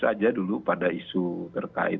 saja dulu pada isu terkait